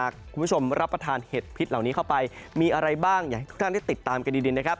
คุณผู้ชมรับประทานเห็ดพิษเหล่านี้เข้าไปมีอะไรบ้างอยากให้ทุกท่านได้ติดตามกันดีนะครับ